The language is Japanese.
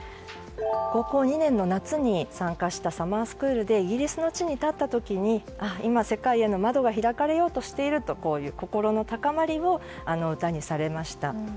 高校２年の夏に参加したサマースクールでイギリスの地に立った時に今、世界への窓が開かれようとしているという心の高まりを歌にされました。